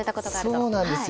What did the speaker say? そうなんですよ。